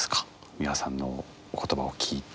美輪さんのお言葉を聞いて。